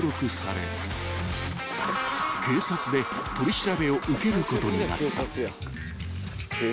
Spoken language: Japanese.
［警察で取り調べを受けることになった］